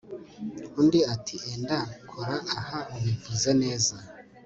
Undi ati Enda kora aha ubivuze neza